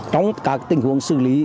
trong các tình huống xử lý